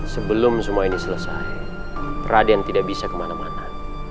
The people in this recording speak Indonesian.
sebelum semua ini selesai raden tidak bisa kemana mana